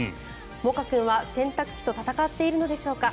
モカ君は洗濯機と戦っているのでしょうか。